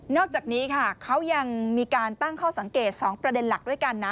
อกจากนี้ค่ะเขายังมีการตั้งข้อสังเกต๒ประเด็นหลักด้วยกันนะ